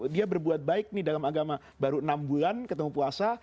dia berbuat baik dalam agama baru enam bulan ketemu puasa